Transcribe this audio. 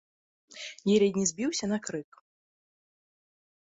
Я ледзь не збіўся на крык.